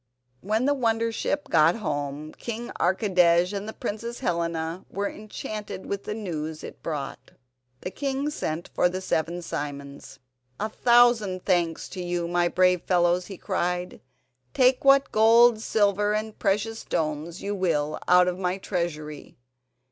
When the wonder ship got home King Archidej and Princess Helena were enchanted with the news it brought. The king sent for the seven Simons. "A thousand thanks to you, my brave fellows," he cried. "Take what gold, silver, and precious stones you will out of my treasury.